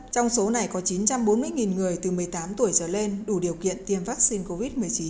trong số này có chín trăm bốn mươi người từ một mươi tám tuổi trở lên đủ điều kiện tiêm vaccine covid một mươi chín